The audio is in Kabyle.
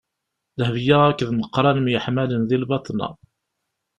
Dehbiya akked Meqran myeḥmalen di lbaḍna.